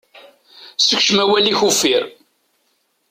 Sekcem awal-ik uffir.